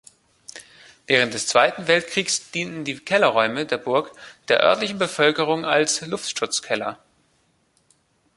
Während des Zweiten Weltkriegs dienten die Kellerräume der Burg der örtlichen Bevölkerung als Luftschutzkeller.